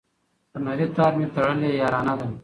په نري تار مي تړلې یارانه ده